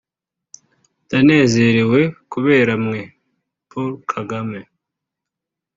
Ndanezerewe kubera mwe @PaulKagame